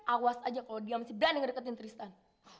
awas aja kalau dia masih berani ngedekatin tristan